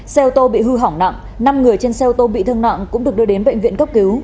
xe ô tô bị hư hỏng nặng năm người trên xe ô tô bị thương nặng cũng được đưa đến bệnh viện cấp cứu